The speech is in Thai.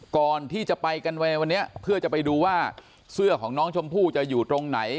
ก่อนที่จะไปกันไว้ในวันนี้เพื่อจะไปดูว่าเสื้อของน้องชมพู่จะอยู่ตรงไหน